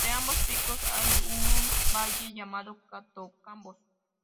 Entre ambos picos hay un valle llamado Kato-Kambos.